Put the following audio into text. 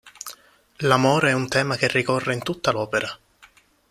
L'amore è un tema che ricorre in tutta l'opera.